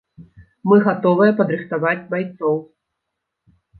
Мы гатовыя падрыхтаваць байцоў.